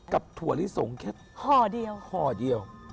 กับถั่วลิสงศ์แค่ฮอเดียว